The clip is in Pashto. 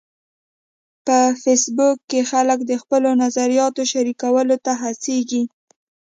په فېسبوک کې خلک د خپلو نظریاتو شریکولو ته هڅیږي.